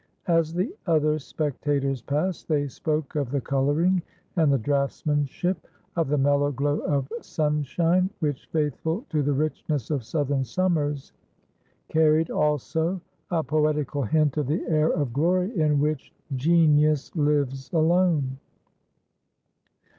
As the other spectators passed, they spoke of the coloring and the draughtsmanship; of the mellow glow of sunshine, which, faithful to the richness of southern summers, carried also a poetical hint of the air of glory in which genius lives alone.